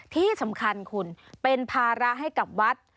ที่สำคัญคุณเป็นภาระให้กับวัด